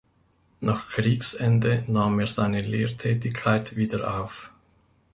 Nach Kriegsende nahm er seine Lehrtätigkeit wieder auf.